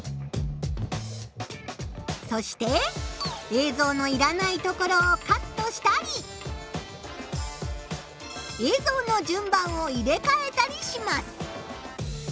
そして映像のいらないところをカットしたり映像の順番を入れかえたりします。